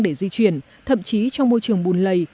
để di chuyển thậm chí trong môi trường bùn lầy